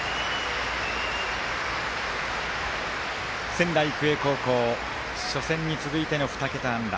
仙台育英高校初戦に続いての２桁安打。